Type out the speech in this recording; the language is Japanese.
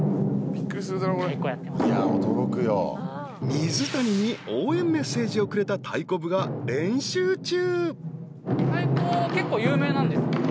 ・［水谷に応援メッセージをくれた太鼓部が練習中］